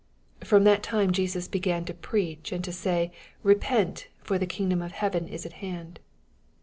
17 From that time Jesus began to prea«h, and to say, Bepent : for the kingdom ff heaven is at hand.